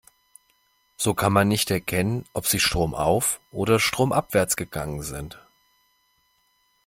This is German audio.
So kann man nicht erkennen, ob sie stromauf- oder stromabwärts gegangen sind.